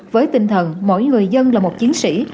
với tinh thần mỗi người dân là một chiến sĩ